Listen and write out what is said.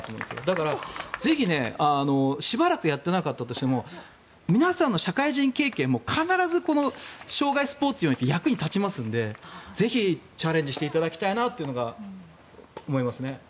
だからぜひしばらくやってなかったとしても皆さんの社会人経験も必ず生涯スポーツにおいて役に立ちますのでぜひチャレンジしていただきたいなというのが思いますね。